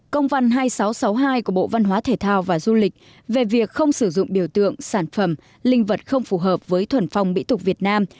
công văn hai nghìn sáu trăm sáu mươi hai của bộ văn hóa thể thao và du lịch về việc không sử dụng biểu tượng sản phẩm linh vật không phù hợp với thuần phong mỹ tục việt nam